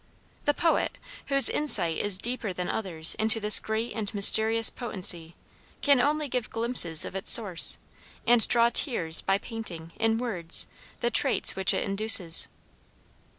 The poet, whose insight is deeper than others' into this great and mysterious potency, can only give glimpses of its source, and draw tears by painting, in words, the traits which it induces.